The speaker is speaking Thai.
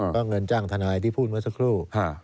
ก็เงินจ้างทนายที่พูดเมื่อสักครู่